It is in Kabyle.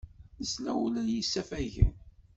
Nesla ula i yisafagen.